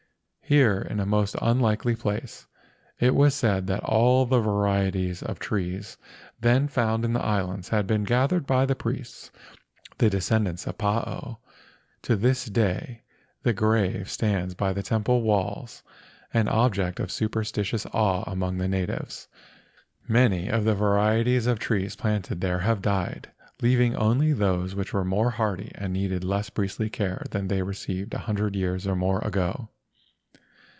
Here in a most unlikely place it was said that all the varieties of trees then found in the islands had been gathered by the priests— 4 LEGENDS OF GHOSTS the descendants of Paao. To this day the grave stands by the temple walls, an object of super¬ stitious awe among the natives. Many of the varieties of trees planted there have died, leaving only those which were more hardy and needed less priestly care than they received a hundred years or more ago.